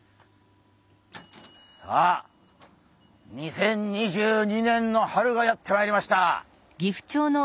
さあ２０２２年の春がやって参りました。